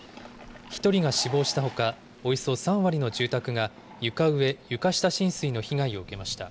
１人が死亡したほか、およそ３割の住宅が床上・床下浸水の被害を受けました。